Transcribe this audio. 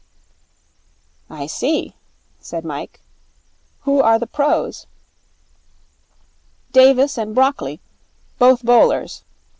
'I see,' said Mike. 'Who are the pros?' 'Davis and Brockley. Both bowlers.